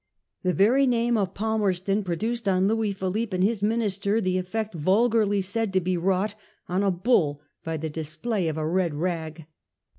The very name of Palmer ston produced on Louis Philippe and his minis ter the effect vulgarly said to be wrought on a bull by the display of a red rag.